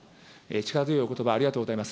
力強いおことば、ありがとうございます。